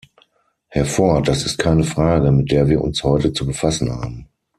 Herr Ford, das ist keine Frage, mit der wir uns heute zu befassen haben.